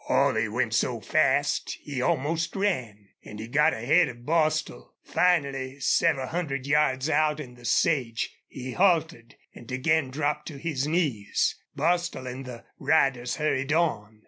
Holley went so fast he almost ran, and he got ahead of Bostil. Finally several hundred yards out in the sage he halted, and again dropped to his knees. Bostil and the riders hurried on.